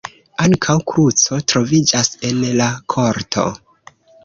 Ankaŭ kruco troviĝas en la korto.